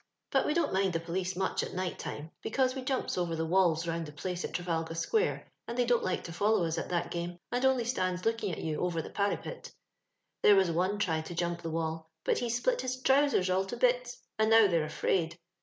^But we don't mind the police much at night time, because we jumps over the walls round the place at Trafalgar square, and they don't like to follow us at that game, and only stands looking at you over the parrypit There was one tried to jump the wall, but he split his trousers all to bits, and now theylre . afhdd.